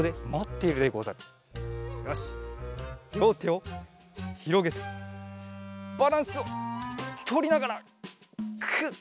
りょうてをひろげてバランスをとりながらくっ！